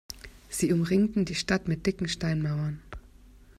Sie umringten die Stadt mit dicken Steinmauern.